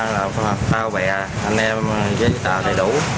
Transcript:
là phao bè anh em với tàu đầy đủ